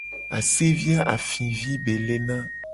Asevi a afivi be lena.